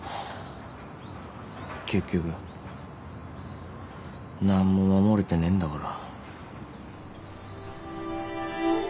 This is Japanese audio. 結局何も守れてねえんだから。